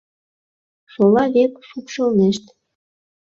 шола век шупшылнешт